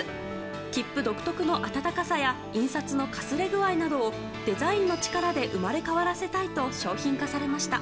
切符独特の温かさや印刷のかすれ具合などをデザインの力で生まれ変わらせたいと商品化されました。